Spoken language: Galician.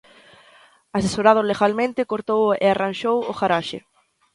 Asesorado legalmente, cortou e arranxou o garaxe.